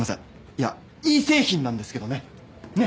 いやいい製品なんですけどね。